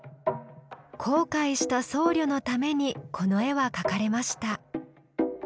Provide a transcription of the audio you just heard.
後悔した僧侶のためにこの絵は描かれました。